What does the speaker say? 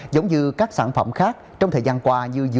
giống như các sản phẩm khác trong thời gian qua như dừa sầu riêng